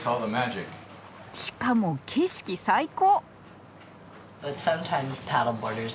しかも景色最高！